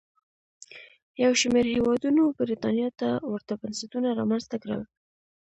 یو شمېر هېوادونو برېټانیا ته ورته بنسټونه رامنځته کړل.